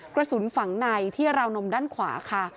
กระสุนฝังในที่ราวนมด้านขวาค่ะ